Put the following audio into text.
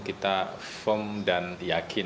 kita firm dan yakin